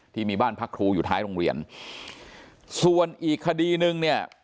ที่มีบ้านพักครูอยู่ท้ายโรงเรียนส่วนอีกคดีนึงเนี่ย